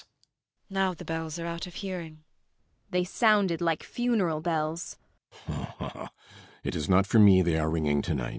] Now the bells are out of hearing. MRS. BORKMAN. They sounded like funeral bells.